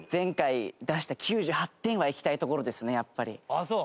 あっそう。